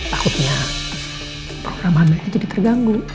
takutnya program hamilnya jadi terganggu